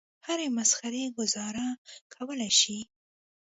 هرې مسخرې ګوزاره کولای شي.